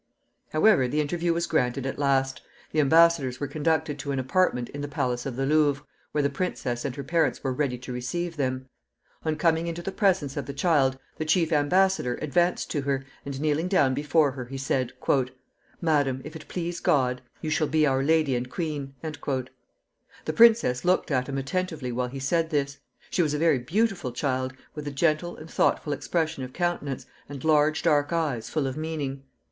However, the interview was granted at last. The embassadors were conducted to an apartment in the palace of the Louvre, where the princess and her parents were ready to receive them. On coming into the presence of the child, the chief embassador advanced to her, and, kneeling down before her, he said, "Madam, if it please God, you shall be our lady and queen." The princess looked at him attentively while he said this. She was a very beautiful child, with a gentle and thoughtful expression of countenance, and large dark eyes, full of meaning.